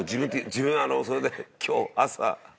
自分それで今日朝。